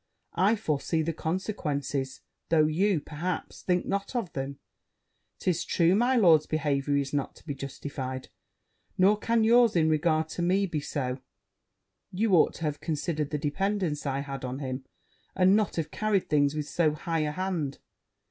I foresee the consequences; though you, perhaps, think not of them. It is true, my lord's behaviour is not to be justified; nor can yours in regard to me be so: you ought to have considered the dependence I had on him, and not have carried things with so high an hand.